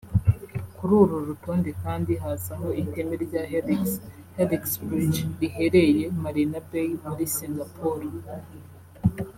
Kuri uru rutonde kandi hazaho iteme rya Helix (Helix Bridge) rihereye Marina Bay muri Singapore